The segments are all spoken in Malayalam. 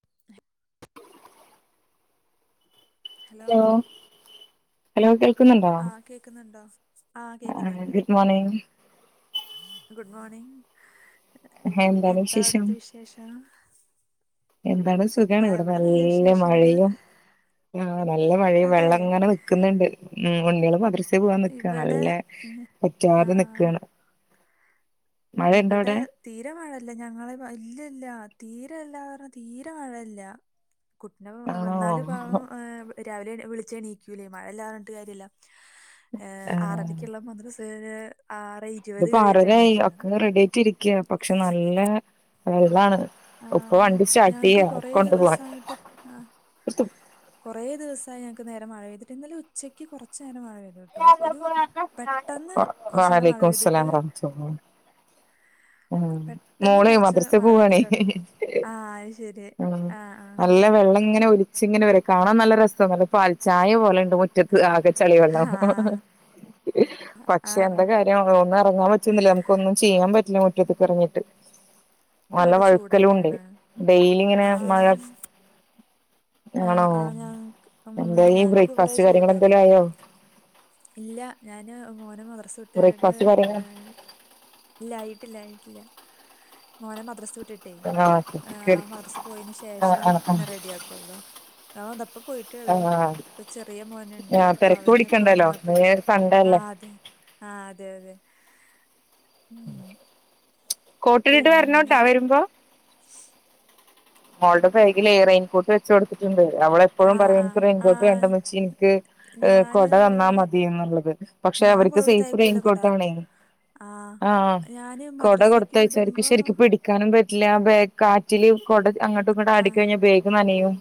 [inaudible] ഹലോ ഹലോ കേൾ ആ കേക്കുന്നുണ്ടോ ആ ഗുഡ് മോർണിംഗ് ഗുഡ് മോർണിംഗ് എന്താണ് എന്താ വിശേഷം അവിടുത്തെ വിശേഷം എന്താണ് സുഖമാണ് ഇവിടെ നല്ല മഴയും ആ നല്ല മഴ അതെ വെള്ളം ഇങ്ങനെ നിക്കുന്നുണ്ട് ഉം ഉണ്ണികളും മദ്രസ്യ പോവാൻ നിക്ക ഇവിടെ നല്ല ഞ- ആ പറ്റാതെ നിക്കാണ് മഴയുണ്ടോ ഇവിടെ അവിടെ തീരെ മഴ ഇല്ല ഞങ്ങളെ ഇല്ല ഇല്ല തീരെ ഇല്ലാ കാരണം തീരെ മഴയില്ല കുഞ്ഞ് ആണോ വന്നാലും പാവം രാവിലെ വിളിച്ച എണീക്കൂല്ലേ മഴയല്ലാ പറഞ്ഞിട്ട് കാര്യമല്ല ആഹ് ആറരക്കുള്ള മന്ത്രസ ആറ് ഇരുപത് കഴിഞ്ഞിട്ടണീറ്റരിക്കുന്നത് രിക്കുക പക്ഷെ നല്ല വെള്ളാണ് ഉപ്പ ആഹ് വണ്ടി സ്റ്റാർട്ട് ഞങ്ങക്ക് ചെയ്യാ കൊറേ കൊണ്ട പോവാൻ ദിവസായിട്ട് കുറ ദിവസമായി ഞങ്ങക്ക് നേരം മഴെ പെയ്തിട്ട് ഇനലെ ഉച്ചക്ക് കുറച്ച നേരം മഴ പെയ്തു കേട്ടോ ഒരു പെട്ടെന്ന് കൊറച്ച് നേരം മഴ പെയ്തിട്ട് [unintelligible] ആ പെട്ടെന്ന് മോളേ കൊറച്ച് മദ്രസ മഴ പോവൂവാണേ പെയ്തിട്ട് അവ്ടെന്ന് ആഹ് അത് ശരി ആ ആ അങ്ങനെ ഒലിച്ചിങ്ങെനെ വരും കാണാൻ നല്ല രസ പാൽ ചായ പോലെ മുറ്റത്ത് ആകെ ചെളി വെള്ളമ ആഹ് പക്ഷെ ആഹ് എന്താ ആഹ് കാര്യം ഒന്നും ഇറങ്ങാൻ പറ്റുന്നില്ല നമുക്ക് ഒന്നും ചെയ്യാൻ പറ്റില്ല മിറ്റത്തിറങ്ങിയിട്ട് നല്ല ഇവിടെ വഴുക്കലു ഉണ്ട് ചൂടന്നെയാണ് ഡെയിലി ഇങ്ങനെ മഴ ആ ആണോ ആ ഞങ്ങക്ക് ഇപ്പം എന്തായി ഞങ്ങക്ക് ഇവിടെ ബ്രേക്ക്ഫാസ്റ്റ് കാര്യങ്ങൾ ചൂടാണ് എന്തേലും ആയോ [inaudible] ഇല്ല ഞാന് മോന മദ്രസ വിട്ടിട്ട് ബ്രേക്ക്ഫാസ്റ്റ് കാര്യങ്ങൾ ഇല്ല ആയിട്ടില്ല ആയിട്ടില്ല മോനെ മദ്രസ വി- വിട്ടിട്ടെ ആഹ് ആഹ് മദറസെ പോയന് ശേഷം ആഹ് പിന്നെ റെഡി ആക്കുള്ളു ആ- ഇപ്പൊ പോയിട്ടേയുള്ളൂ ആഹ് ആഹ് ഇപ്പൊ ചെറിയ മോനുണ്ട് ആഹ് തിരക്ക് അവന് ഇപ്പ പിടിക്കണ്ടല്ലോ ഉണന്നപ്പോ ഇന്ന് പ്പഴേ സൺഡേ ആ അല്ലേ അതെ ആ അതെ അതെ ഉം കോട്ടി നിട്ട് വരണോട്ടാ പിന്നെ വരുമ്പോ മോളുടെ ബാഗിലെ റെയിൻ കോട്ട് വെച്ച് കൊടുത്തിട്ടുണ്ട് അവള് എപ്പോഴും ആഹ് പറയും എനിക്ക് ആഹ് റെയിൽ കോട്ട് ആഹ് വേണ്ട ഉമ്മച്ചി എനിക്ക് ഏ ഞാന് കൊട തന്നാ ഇതുപോലെ മതി എന്നുള്ളത് പക്ഷെ അവർക്ക് സേഫ് റെയിൻകോട്ട ആണേ ആഹ ഞാന് മദ്രാസേക്ക് കൊടുത്തയച്ച അവർക്ക് വിടുമ്പോ ശരിക്കും പിടിക്കാനും കാറ്റില് കൊട അങ്ങോട്ടും ഇങ്ങോട്ട് ആടി ആഹ് കഴിഞ്ഞാൽ ബേഗ് നനയും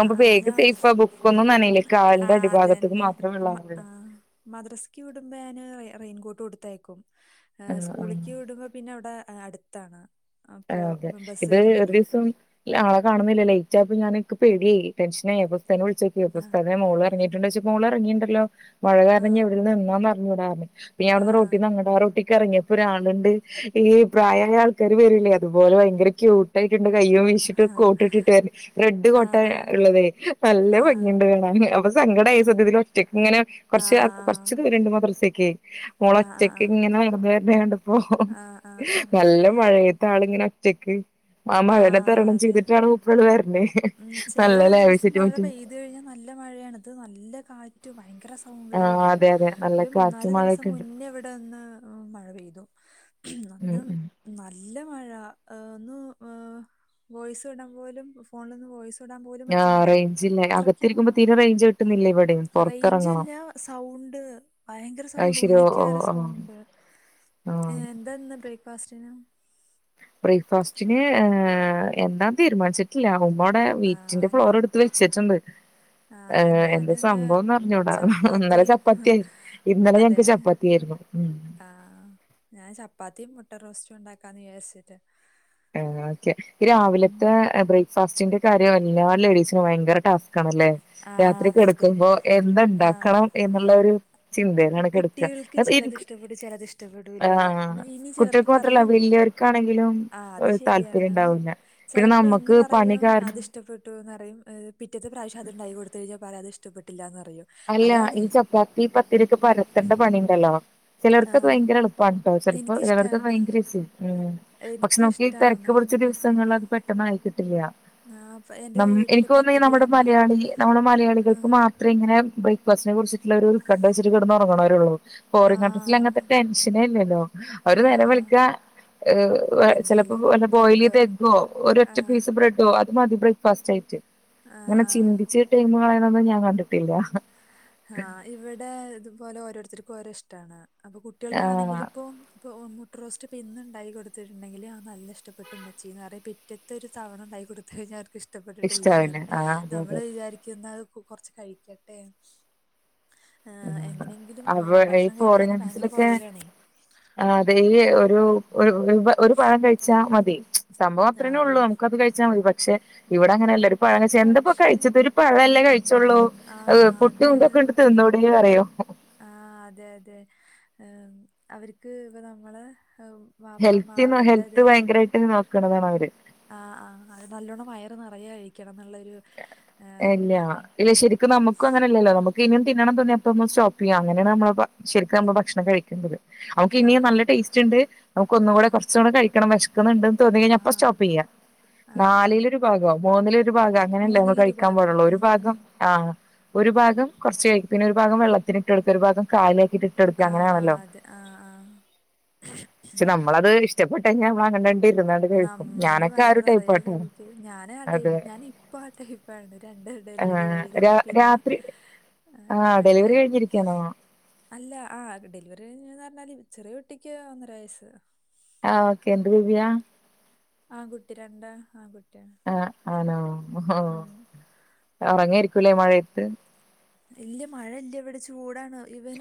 ആഹ് ആഹ് ബേഗ് ഞാ സേഫാകും ബുക്കൊന്നും നനയില്ല കാലിന്റെ ആഹ് അടിഭാഗത്തക്ക് മാത്രേ ഉള്ളാറുള്ളൂ മദ്രാസക്ക് വിടുമ്പം ഞാൻ റെയിൻകോട്ട്കൊടുത്തയക്കും ആഹ് ആഹ് സ്കൂളിക്ക് വിടുമ്പോ പിന്നെ ഇവിടെ അടുത്താണ് ആ അപ്പൊ അതെ ബസ്സ് ഇത് ഒരു വരുന്നതേ ദിവസം ആളെ കാണുന്നില്ല ലൈറ്റ് അപ്പ ഞാനിന്ക് പേടിയായി ടെൻഷൻ ആയി അപ്പൊ ഉപ്പാനെ ആഹ് വിളിച്ച മോൾ ഇറങ്ങിട്ടുണ്ടോ ചോദിച്ചപ്പോ മോള് ഇറങ്ങയിണ്ടല്ലോ മഴ കാരണം ഞ ആഹ് എവിടെന്ന് നിന്നാന്ന് അറിഞ്ഞൂടാ ഞവിടുന്ന് ആഹ് റോട്ടിഞങ്ങുടെ ആ റോ ട്ടിക്ക് ഇറങ്ങിയപ്പോ ഒരാളുണ്ട് ഈ പ്രായമായ ആൾക്കാര് വരില്ലേ അതുപോലെ ഭയങ്കര ക്യൂട്ടയി ണ്ട് കയ്യും വീഷിട്ട് ആഹ് കോട്ടിട്ടിട്ട് റെഡ് കോട്ട ആഹ് ആഹ് ഉള്ളതേ ആഹ് നല്ല ഭംഗിയുണ്ട് ആഹ് കാണാൻ അപ്പ സങ്കടായി ആഹ് സത്യത്തിൽ ഒറ്റക്ക് ഇങ്ങനെ ആഹ് കുറച്ച് കുറച്ച്ത് ആഹ് ദൂരണ്ട് മദ്രേസ്സയ്ക്ക് ആഹ് ആഹ് ആഹ് മോളൊറ്റക്ക് ആഹ് ഇങ്ങനെ നടന്നു വരുന്നതു കണ്ടപ്പോ ആഹ് ആഹ് നല്ല ആഹ് മഴയ ഇങ്ങനെഒറ്റക്ക് ആ മഴനെ ആഹ് തരണം അതെ ചെയ്തിട്ടാണ് മൂപ്പര് വരണേ ഉം ചെല നല്ല ദിവസം ലാവിഷായി മഴ പെയ്ത് കഴിഞ്ഞാ നല്ല മഴയാണിത് നല്ല കാ എത്ര ആ സൗണ്ടിലായിരിക്കും അതെ അതെ നല്ല ഒരു മൂന്നാല് കാറ്റും ദിവസം മഴയൊക്കെ ഉണ്ട് മുന്നേ അവിടെ ഒന്ന് മഴ പെയ്തു ഉം അന്നും ഉം നല്ല ല്ല മഴ ഒന്ന് വോയിസ്‌ വിടാൻ പോലും ഫോണിൽ ആ റേഞ്ചില്ല അകത്തിരിക്കുമ്പോ മഴ തീരെ റേഞ്ച് കിട്ടുന്നില്ല ഇവിടിം റേഞ്ചും പൊറത്തറങ്ങണം ഇല്ല സൗണ്ട് ഭയങ്കര സൗണ്ട് ഉള്ളിക്ക് വേറെ ഓ സൗണ്ട് ആ എന്താന്ന് കഴി പാസ്റ്റിനു ബ്രേക്ക്ഫാസ്റ്റിന് എന്താ തീരുമാനിച്ചിട്ടില്ല നമ്മടെ മീറ്റ്ന്റെ ആഹ് ഞാ ഫ്ലോർടുത്ത് വെച്ചിട്ടുണ്ട് ഏ ആഹ് എന്താ ഞാനിന്ന് സംഭവന്ന് അറിഞ്ഞൂടാ ഇന്നലെ ചപ്പാത്തിയും ചപ്പാത്തിയ ഇന്നലെ അതെ ഞങ്ങക്ക് ചപ്പാത്തിയായിരുന്നു ഉം ആഹ് ഞാൻ ചപ്പാത്തിയും മുട്ട റോസ്റ്റും ഉണ്ടാക്കാന്ന് വിചാരിച്ചിട്ട് ആ ഓക്കെ ഉം രാവിലത്തെ ബ്രേക്ക്ഫാസ്റ്റിന്റെ കാര്യം എല്ലാ ലേഡീസിന് ഭയങ്കര ക്കാണല്ലേ ആഹ് രാത്രി അതെ അതെ കിടക്കുമ്പോ ആഹ് എന്ദാണ്ടാക്കണം എന്നുള്ള ഒരു ചിന്തയിലാണ് കിടക്കുക കുട്ടികൾക്ക് അത് ചിലത് എനിക്ക് ഇഷ്ടപ്പെടും ചിലത് ഇഷ്ടപ്പെടൂല്ല ഇനി ചെലപ്പോ പറയൂ ർക്കാണെങ്കിലും താല്പര്യം ഉണ്ടാവൂല ചെലപ്പോ ഇന്ന് പറയും അത് ഇഷ്ടപ്പെട്ടുന്ന് പറയും പിറ്റേത്തെ പ്രാവശ്യം അത്ണ്ടാക്കി കൊടുത്തു കഴിഞ്ഞാ പറി അതു ഇഷ്ടപ്പെട്ടില്ല എ പറഞ്ഞ അല്ല ഈ ചപ്പാത്തി പത്തിരി ക്കെ പരത്തണ്ട പണി ഉണ്ടല്ലോ ചിലർക്കത് ആഹ് ഭയങ്കര എളുപ്പാണ് കേട്ടോ ചിലപ്പോ ചിലവർക്കത് എനിക്കിഷ്ടാണ്. ഭയങ്കര ഇസി പക്ഷെ നമുക്ക് ഈ തിരക്ക് എനിക്കിഷ്ടാണ്. കുറച്ച് ദിവസങ്ങളിൽ അത് പെട്ടെന്ന് ആയി കിട്ടില്ല ആ പ എന്റെ വീട്ടില് എനിക്ക് തോന്ന നമ്മുടെ പത്തിരിയൊന്നും മലയാളി നമ്മുടെ മലയാളികൾക്ക് ആഹ് മാത്രം ഇങ്ങനെ ബ്രേക്ക് ഫാസ്റ്റ് നെ കുറിച്ചട്ടുള്ള ഒരു ഉൽക്കണ്ട വെച്ച് കിടന്നു ഉറങ്ങുന്നോലൊള്ളൂ ഫോറിൻ കൺട്രീസിൽ അങ്ങനത്തെ ആഹ് ടെൻഷനെ ഇല്ലല്ലോ അവര് ആഹ് നേരം ആഹ് വെളുക്ക ചിലപ്പോ എന്തെങ്കിലും വല്ല ബോയിൽ ബ്രെഡോ ചെയ്ത എഗ്ഗോ ഒരറ്റ ആഹ് പീസ് ബ്രെഡോ മതി ബ്രേക്ക്ഫാസ്റ്റ് ആയിട്ട് ആഹ് അങ്ങനെ ആഹ് ചിന്തിച്ച് ടൈയിമ് കളയൂണൊന്നും ഞാൻ കണ്ടിട്ടില്ല ആഹ് ഇവിടെ ഇതുപോലെ ഓരോരുത്തർക്കും ഓരോ ഇഷ്ടമാണ് അപ്പൊ ആഹ് കുട്ടികൾക്കാണെങ്കിലും ഇപ്പൊ ഇ മുട്ട റോസ്റ്റ് ഇണ്ടാക്കി കൊടുത്തിട്ടുണ്ടെങ്കിൽ ആ നല്ല ഇഷ്ടപ്പെട്ട മ്മച്ചീ ന്ന് പറയും പിറ്റത്തെ ഒരു തവണ ഉണ്ടക്കി കൊടുത്ത കഴിഞ്ഞാൽ അവർക്ക് ഇഷ്ടം ഇഷ്ടപ്പെട്ടിട്ടില്ലന്ന ഇഷ്ടാവില്ല പറി ആഹ് അതെ അതെ നമ്മള് വിചാരിക്ക എന്നാ കൊറച്ച് കഴിക്കട്ടെ ആ ആഹ് എങ്ങനെങ്കിലും അവ ഭക്ഷണം കഴിക്കൻ ഭയങ്കര പുറകിലാണേ ആ അതെ ഈ ഒരു ഒരു ഒരു പഴം കഴിച്ചാൽ മതി സംഭവം അത്രേന്നെ ആഹ് ഉള്ളൂ ആഹ് നമുക്കത് കഴിച്ചാൽ മതി പറ്റ പക്ഷെ ഉം ഇവിടെ അങ്ങനെല്ല ഒരു പയം കയിച്ച എന്തപ്പോ പക്ഷെ കഴിച്ചത് ഒരു പഴല്ലേ കഴിച്ച ആഹ് പൊട്ടി എന്തൊക്കെണ്ടടുത്ത്ന്തോ ആഹ അതെ അതെ അവർക്ക് ഇപ്പ നമ്മളെ ഹെൽത്തി ഹെൽത്ത് ഭയങ്കരമായിട്ട് നോക്കണം ആഹ ആഹ അത് നല്ലോണ്ണം വയറ് നിറയെ കഴിക്കണം എന്നുള്ളരു അല്ല ഇല്ല ശരിക്കും നമുക്ക് നും അങ്ങന അല്ലോ നമുക്ക്നിയ തിന്നണം തോന്നിയപ്പോ സ്റ്റോപ്പ് ചെയ്യ അങ്ങനെയാണ് നമ്മ ശരിക്കും നമ്മള് ഭക്ഷണം കഴിക്കണ്ടുന്നത് അവക്ക് ആഹ് ഇനിയ നല്ല ആഹ് ടേസ്റ്റ് ഉണ്ട് അവൾക്ക് ഒന്നുകൂടെ ആഹ് കുറച്ചുകൂടെ കഴിക്കണംവിശപ്പ് ശക്കുന്നുണ്ട് ന്ന് തോന്നിക്കഴിഞ്ഞ അപ്പ ആഹ് സ്റ്റോപ്പ് ചെയ്യാം ആഹ് ആഹ് നാലിലൊരു ഭാഗോ മൂന്നിലൊരു ഭാഗോ അങ്ങനല്ലേ നമ്മ മൂന്നിലൊരു കഴിക്കാ ക്കാൻ ഭാഗം പടുള്ളൂ ഒരു ഉം ഉം ഭാഗം ആഹ ഒരു ഭാഗം കുറച്ച കഴിക്കും പിന്നെ ഒരു ഭാഗം വെള്ളത്തിലിട്ട് കൊടുക്ക ഒരു ഭാഗം കലി ആഹ ആഹ് അതെ ആഹ് ആഹ ഇഷപ്പെട്ട ഞാൻ വാങ്ങണണ്ട് നമ്മള് വയറ് നിറയ കഴിക്ക ഞാന ആ അതെ ടൈപ്പ് ഞാന ഇപ്പ ആ ടൈപ്പ ആണ് രണ്ട് ഡെലിവറി ആഹ് രാ കഴിഞ്ഞപ്പോ പിന്നെ രാത്രി ആഹ് ഡെലിവറി അങ്ങനെയായി കഴിഞ്ഞിരിക്കാണോ അല്ല ആ ഡെലിവറികഴിഞ്ഞെന്ന് പറഞ്ഞാല് ചെറിയ കുട്ടിക്ക് ഒന്നര വയസ്സ് ആഹ് ഓക്കെ എന്ത് കുഞ്ഞാ ആകുട്ടി രണ്ട [unintelligible] ആഹ ആണോ ഓ ഉറങ്ങയിരിക്കൂല്ലേ മഴയത്ത് ഇല്ല മഴ ഇല്ല ഇവിടെ ചൂടാണ്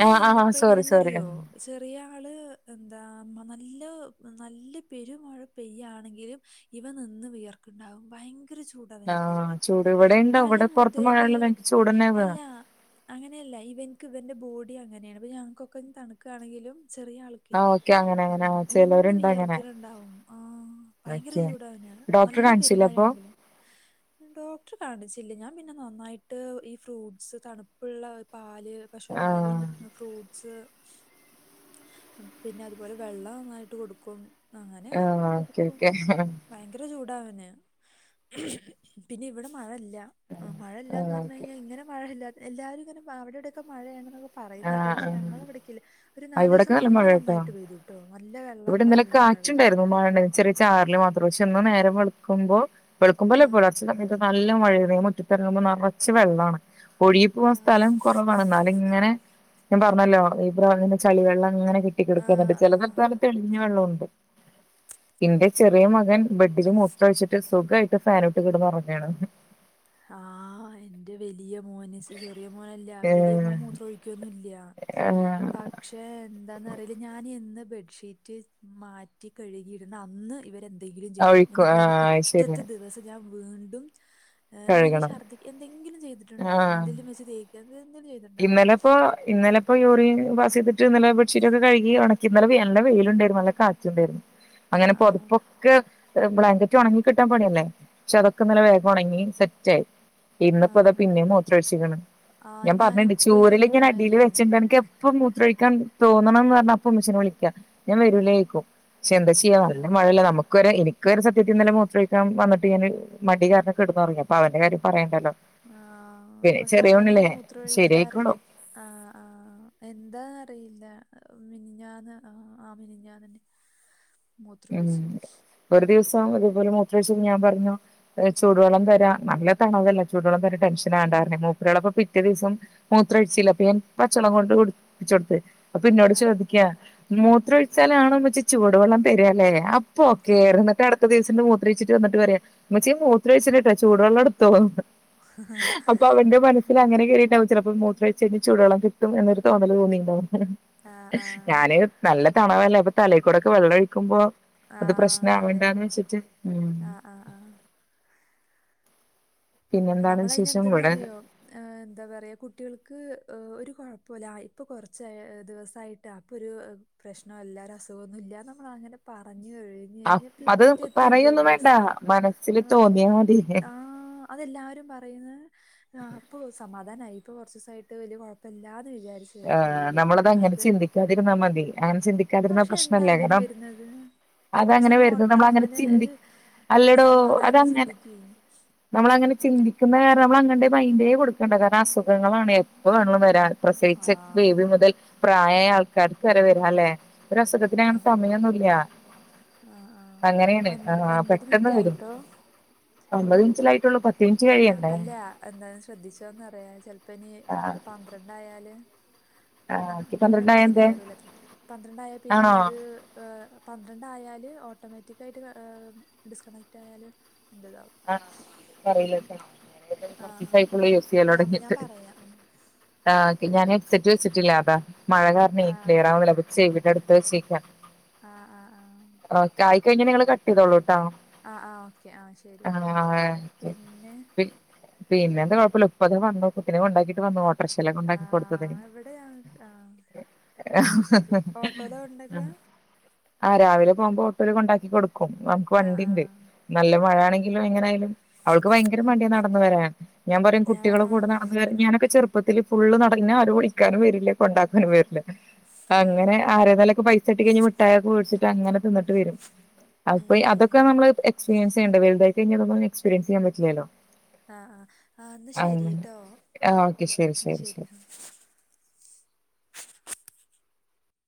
ആഹ് ആഹ് ഇനിപ്പോ സോറി സോറി ഇങ്ങനെയന്ന്റിയോ ചെറിയ ആള് എന്താ അവൻ നല്ല പെരുമഴ പെയ്യയാണെങ്കിലും ഇവ നിന്ന് വിയർക്കണ്ടാകും ഭയര- ആഹ് ചൂട് ഇവിടെ ഉണ്ട് തല ഇവിടെ പുറത്ത് മഴ മുതല് കഴിഞ്ഞിട്ട് ചൂട്ന്നെ അല്ല അങ്ങനെയല്ല ഇവനക്ക് ഇവന്റെ ബോഡി അങ്ങനെയാണ് ഞങ്ങൾക്കൊക്കെ തണുക്കുകയാണെങ്കിലും- ചെറിയ ആൾക്ക ഓക്കെ അങ്ങനെ അങ്ങനെ ആ നിന്ന് ചിലവരുണ്ട് അങ്ങനെ വിയർക്കലുണ്ടാവും ആ ഭയങ്കര ചൂടാവ- ഡോക്ടർ കാണിച്ചില്ല അപ്പൊ ഡോക്ടർ കാണിച്ചില്ല ഞാൻ പിന്നെ നന്നായിട്ട് ഈ ഫ്രൂട്ട്സ് തണുപ്പള്ള- പശുംപാലും ആഹ് ഫ്രൂട്ട്സ് പിന്നെ അതുപോലെ വെള്ളംന്നായിട്ട് കൊടുക്കും അങ്ങനെ ആഹ് ഓക്കെ കൊടുക്കും ഓക്കെ ഭയങ്കര ചൂടാവനെ പിന്നെ ഇവിടെ മഴ ഇല്ല മഴല്ലന്ന് ആഹ് പറഞ്ഞ - ഓക്കെ മഴ ഇല്ല എല്ലാവുംങ്ങനെ അവിടെയക്കെ മഴയണെന്ന പറയുന്നതൊക്കെ ആഹ് പക്ഷെ ആഹ് ഞങ്ങളവിടക്ക ഒരു നാലല് ഇവിടൊക്കെ ദിവസം നല്ല മഴ മുന്നേ കേട്ടോ നന്നായിട്ട് പെയ്തുട്ടോ നല്ല വെള്ളമുള്ള നല്ല മഴ പെയ്തു മുണ്ടായിരുന്നു ചെറിയ ചാറൽ- കുറച്ചു ഒന്ന് നേരെ വെളുക്കുമ്പോ വെളുക്കുപോൾ ആ അല്ല, പുലർച്ചെ സമയത്ത് നല്ല മഴയാണ് മുറ്റത്തിറങ്ങുമ്പോ നിറച്ച് വെള്ളമാണ് ഒഴി പോകൻ സ്ഥലം കുറവാണ് എന്നാലും ഇങ്ങനെ ഞാൻ പറഞ്ഞല്ലോ ഈ ചളിവ വെള്ളം അങ്ങനെ ആ ആ കെട്ടിക്കിടുക്കുന്നുണ്ട് ചില ആ സ്ഥലത്ത് തെളിഞ്ഞ വെള്ളം ഉണ്ട് [inaudible] എന്റെ ചെറിയ മകൻ ബെഡിലും മൂത്ര ഒഴിച്ചിട്ട് സുഖയിട്ട് ഫാനും ഇട്ട് കിടന്ന് ഉറങ്ങാണ് ആഹ എന്റെ വലിയ- മോന് ചെറിയ മോനല്ല വലിയ ഏഹ് മോൻ മൂത്രം ഒഴിക്കുവൊന്നുംല്ല ഏഹ് പക്ഷെ എന്താന്നറിയില് ഞാൻ ഇന്ന് ബെഡ്ഷീറ്റ് മാറ്റി കഴുകിയിടുന്ന അന്ന് ഇവരെ- എന്തെങ്കിലും ചെയ്യും ഒഴിക്കും എന്നിട്ട് ഞാൻ ആഹ് ശരി പിറ്റത്തെ ദിവസം ഞാൻ വീണ്ടും- ഒന്നങ്കും കഴുകണം ഛർദ്ദിക്ക എന്തെങ്കിലും ചെയ്തിട്ടുണ്ടോ ആഹ് എന്തങ്കലും വെച്ച് തേയ്ക്കുക ഇന്നലെ ഇപ്പോ ഇന്നലെ യൂറിയൻ പാസ്സ് ചെയ്തി- ഇന്നലെ ബെ്ഷീറ്റ് ഒക്കെ കഴുകി ഉണക്കി നല്ല വെയിലുണ്ടായിരുന്നു നല്ല കാറ്റുണ്ടായിരുന്നു ആ അങ്ങനെ ആ പൊതപ്പൊക്കെ ബ്ലാങ്കറ്റ് ഉണങ്ങി കിട്ടാൻ പണിയല്ലേ പക്ഷെ അതൊക്കെ ഇന്നലെ വേഗം ഉണങ്ങി സെറ്റ് ആയി ആ ഇന്നപ്പോ അതാ പിന്നെ മൂത്ര ഒഴിച്ചിക്കണ് ആ ഞാൻ പറഞ്ഞിണ്ട് എപ്പോഴും ചുരല് ഇങ്ങനെ ശ്രദ്ധിക്കണ അടിയിൽ വെച്ചിട്ടുണ്ട് കാര്യമാണ് എനക്ക് എപ്പം മൂത്രൊഴിക്കാ- തോന്നണംന്ന് പറഞ്ഞ അപ്പൊ ഉമ്മച്ചിയെ വിളിക്കാം ഞാൻ വരൂലേക്കും പക്ഷെ എന്താ ചെയ്യാ നല്ല മഴല്ല നമുക്ക് വരെ എനിക്ക് - ഒക്കെ ഒരു സത്യത്തിൽന്നലെ മൂത്രയിക്കാ വന്നിട്ട്ഞാന് മടിക്കാരണ കിടന്നുറങ്ങി അപ്പ അവന്റെ കാര്യം പറയേണ്ടല്ലോ ആഹ പക്ഷെ അവന് മൂത്ര- കഴിക്കാറില്ല ശരിയായിക്കോളും ആ ആ എന്താ അറിയില്ല മിനിഞ്ഞാന്ന് ആ മിനിഞ്ഞാന്നന്നെ ഉം ഒരു ദിവസം മൂത്രൊഴിച്ചപ്പോ ഞാൻ പറഞ്ഞു ചൂടുവെള്ളം തരാം നല്ല തണവല്ലെ ചൂടുവെള്ളം തര- ആ ടെൻഷനാവണ്ട മൂത്ര- പിറ്റേ ദിവസം മൂത്രോയിച്ചില്ല അപ്പൊ ഞാൻ പച്ചവെള്ളം കൊണ്ട് കുളിപ്പിച്ചുകൊടുത്ത് അപ്പൊ എന്നോട് ആ ചോദിക്കാ മൂത്ര ഉം. ഒഴിച്ചാലാണോ ഉമ്മച്ചി ചൂടുവെള്ളം തരാലേ ഇപ്പൊ ഓക്കേ കെടന്ന് - പിറ്റത്തദിവസം മൂത്രഴിച്ചിട്ട് വന്നിട്ട് പറയണ് മ്മച്ചിയെ മൂത്രഴിച്ചിണട്ടാ ചൂടുവെള്ളടുത്തോ അപ്പൊ അവന്റെ മനസ്സിൽ അങ്ങനെ കേറിട്ടാവും ചിലപ്പോ മൂത്ര ച ചൂടുവെള്ളം കിട്ടും എന്നൊരു തോന്നൽ തോന്നിട്ടുണ്ടാവും, ആ ആ ഞാന് നല്ല തണവല്ലെ ഇപ്പ തലക്കൂടൊക്കെ വെള്ളംഒഴിക്കുമ്പോ ആ അത് അതെ പ്രശ്നാവണ്ടാന്ന് വെച്ചിട്ട് ഉ ആ ആ ആ നമ്മൾ അതിന് ഇവിടെ എന്തെന്നറിയോ എന്താ പറയാ കുട്ടികൾക്ക് ഒരു കുഴപ്പമില്ല ഇപ്പൾ കുറച്ച് ദിവസമായിട്ട് അപ്പൊ ഒരു പ്രശ്നം എല്ലാവരും അസുഖമൊന്നുമല്ല ല്ല അങ്ങനെ പറഞ് ആ അത് പറയൊന്നും വേണ്ട ദിവസം മനസ്സില് നമ്മൾ തോന്നിയാൽ മതീലെ ആ അതെല്ലാവരും പറയുന്നത് പ്പൊ സമാധാനമായി ഇപ്പോ കുറച്ച് ദിവസമായിട്ട് വലിയ കുഴപ്പമില്ലാ അ ആ നമ്മളത് അങ്ങനെ ചിന്തിക്കാതിരുന്നാ മതി അങ്ങനെ ചിന്തിക്കാതിരുന്നാ പക്ഷെ എന്താ പ്രശ്നല്ല, അങ്ങനെ കാരണം വരുന്നത് [inaudible] പക്ഷെ നമ്മൾ അത അങ്ങനെ ഒരു അല്ലടോ സമാധാനത്തിൽ അതങ്ങനെ ചിന്തിക്കുകയും നമ്മളങ്ങനെ ചിന്തിക്കുന്ന കാരണം നമ്മൾ അങ്ങനൊരു മൈന്റേ കൊടുക്കേണ്ട, കാരണം അസുഖങ്ങളാണ് എപ്പവേണേലും വരാ പ്രസവിച്ചു ആ ച്ച ബേബി മുതൽ പ്രായമായ ആൾക്കാർക്ക് വരെ വരാല്ലേ ഒരു അസുഖത്തിന് ആ അങ്ങനെ സമയമൊന്നുമല്ല ആ ആഹ ഒൻ ഒൻപത് പെട്ടെന്ന് മിനിറ്റ് വരും ആയിട്ടോ ഒമ്പത് മിനിറ്റ് അല്ലെ ആയിട്ടുള്ളൂ പ ആ അല്ല എന്തായും ശ്രദ്ധിച്ചന്നറിയ ചെലപ്പോ ഇനി ആഹ് പന്ത്രണ്ടായാല് [inaudible] എന്താ പന്ത്രണ്ടായ പിന്നെ എന്തേ കയറൂലത്ര പന്ത്രണ്ടായാൽ പിന്നെ ആണോ അത് പന്ത്രണ്ടായാല് ഒ ട്ടോമാറ്റിക്കായിട്ട് ഡിസ്കണക്റ്റ് ആയാലും ആഹ പറയിലാട്ടോ ഞാൻ ഏതായാലും ആഹ് ആഹ് കുറച്ചുസയിട്ടുള്ളു യൂസ് ചെയ്യല് ഞാൻ ഞാൻ തുടങ്ങിട്ട് പറയാ ഉം ആ പിന്നെ ഞാന് സെറ്റ് വെച്ചിറ്റില്ല അതാ മഴ കാരണ ആഹ് ക്ലിയറാവണില്ല പ്പൊ ചെവീടടുത്ത് വചേക്ക ആഹ് ആഹ് ആഹ് ഓ കെ ആയികഴിഞ്ഞ നിങ്ങള് കട്ട് ചെയ്തോള്ളൂ ട്ടാ ആഹ ആഹ ഓക്കെ ആഹ ശെരി ആ പിന്നെ പിന്നെ എന്താ കുഴപ്പല്ല ഉപ്പതാ വന്നു കുട്ടിനെ കൊണ്ടാക്കിട്ട് വന്നു സ്പെഷ്യലൊക്കെ ഉണ്ടാക്കി കൊടുത്തത് ആഹ് ഇവിടെ ഞങ്ങക്ക് ആഹ് അത് ശെരി ഓട്ടോലാ കൊണ്ടാക്ക ആഹ രാവിലെ പോകുമ്പോ ഓട്ടോല് കൊണ്ടാക്കി കൊടുക്കും നമുക്ക് ആഹ് വണ്ടിണ്ട് ആഹ് നല്ല മഴ ആഹ് എപ്പോയെങ്കിലും എങ്ങനാലും അവൾക്ക് ഭയങ്കര ഉം മടിയ നടന്നു വരാൻ, ഞാൻ പറയും കുട്ടികളകൂടെ ഞാ നടന്നുവരാൻ, ഞാനൊക്കെ ചെറുപ്പ പ്പത്തില് ഫുള്ള് നടന്ന് ന്നെ ആരും വിളിക്കാനും വരില്ല കൊണ്ടാക്കാനും വരില്ല. ആഹ് അങ്ങനെ ആരെതാലൊക്കെ പൈസ കിട്ടി കഴിഞ്ഞ മുട്ടായൊക്കെ വേടിച്ചിട്ട് അങ്ങനെ തിന്നിട്ട് വരും അ അങ്ങനെ കുക്ക് അതൊക്കെ ചെയ്യും നമ്മൾ എക്സ്പീരിയൻസ് ചെയ്യണ്ടേ തായി കഴിഞ്ഞാ ഇതൊന്നും എക്സ്പീരിയൻ ചെയ്യാൻപറ്റില്ലല്ലോ. ആഹ ആ ന്നാ ശരിട്ടോ ആ ശരി എന്നാ ശരി ശരി ഉം